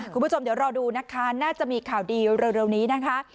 คุณผู้ชมเดี๋ยวรอดูนะคะน่าจะมีข่าวดีเร็วนี้นะคะ